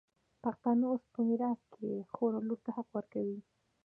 پښتانه اوس په میراث کي خور او لور ته حق ورکوي.